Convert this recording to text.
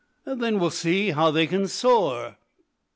"Then we'll see how they can soar."